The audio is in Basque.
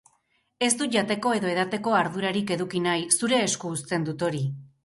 Ez dut jateko edo edateko ardurarik eduki nahi, zure esku uzten dut hori.